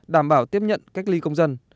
đảm bảo tiếp nhận cách ly công dân